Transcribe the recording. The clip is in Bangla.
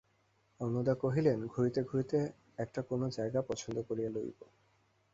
অন্নদা কহিলেন, ঘুরিতে ঘুরিতে একটা কোনো জায়গা পছন্দ করিয়া লইব।